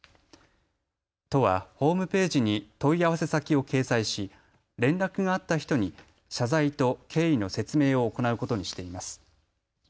都はホームページに問い合わせ先を掲載し連絡があった人に謝罪と経緯の説明を行うことにしています。